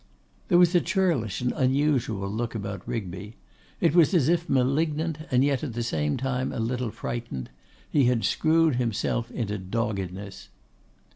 There was a churlish and unusual look about Rigby. It was as if malignant, and yet at the same time a little frightened, he had screwed himself into doggedness.